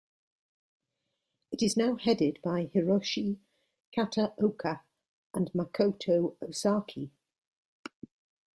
It is now headed by Hiroshi Kataoka and Makoto Osaki.